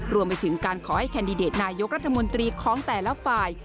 รวมไปถึงการขอให้แคนดิเดตนายกรัฐมนตรีของแต่ละฝ่าย